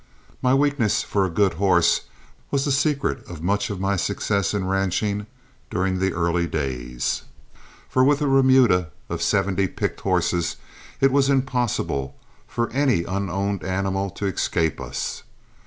My weakness for a good horse was the secret of much of my success in ranching during the early days, for with a remuda of seventy picked horses it was impossible for any unowned animal to escape us.